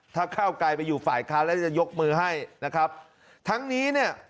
ถ้าก้าวไกลไปอยู่ฝ่ายค้านแล้วจะยกมือให้นะครับทั้งนี้เนี่ย